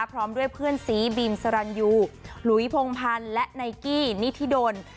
พร้อมด้วยเพื่อนซีบีมสรรยูหลุยพงพันธ์และไนกี้นิธิดล